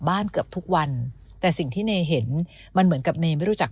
เกือบทุกวันแต่สิ่งที่เนเห็นมันเหมือนกับเนยไม่รู้จัก